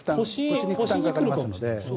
腰に負担がかかりますので。